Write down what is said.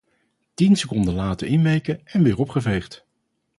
Tien seconden laten inweken, en weer opgeveegd.